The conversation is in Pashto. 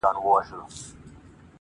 څو لفظونه مي د میني ورته ورکړه,